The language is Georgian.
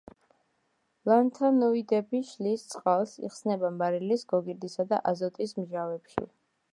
ლანთანოიდები შლის წყალს, იხსნება მარილის, გოგირდისა და აზოტის მჟავებში.